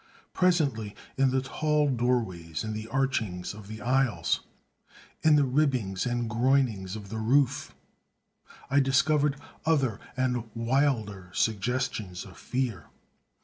Presently, in the tall doorways, in the archings of the aisles, in the ribbings and groinings of the roof, I discovered other and wilder suggestions of fear.